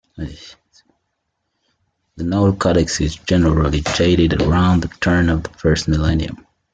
The Nowell codex is generally dated around the turn of the first millennium.